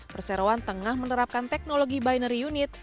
perseroan tengah menerapkan teknologi binary unit